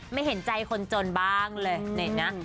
ไม่เห็นใจคนจนบ้างเลยนี่นะ